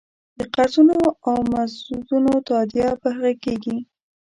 د قرضونو او مزدونو تادیه په هغې کېږي.